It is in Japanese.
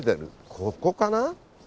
ここかな？